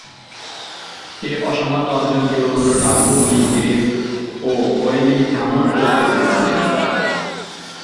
এ অসামান্য অর্জন কেবলমাত্র ডব্লিউ জি গ্রেস ও ওয়ালি হ্যামন্ড করতে পেরেছিলেন।